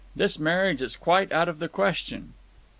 "This marriage is quite out of the question."